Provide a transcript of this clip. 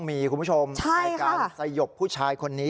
นี่ตำรวจสอบภอบเมืองร้อยเอ็ดเนี้ยนะคะ